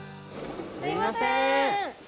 すいません。